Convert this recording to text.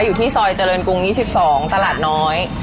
อยู่ที่ซอยเจริญกรุง๒๒ตลาดน้อย